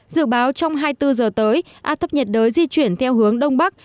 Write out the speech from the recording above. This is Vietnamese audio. dự báo trong hai mươi bốn giờ tới áp thấp nhiệt đới di chuyển theo hướng đông bắc